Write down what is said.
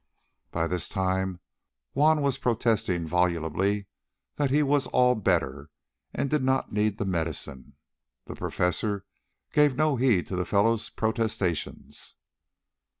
By this time Juan was protesting volubly that he was "all better" and did not need the medicine. The Professor gave no heed to the fellow's protestations.